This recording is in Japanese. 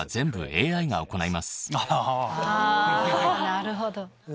なるほど。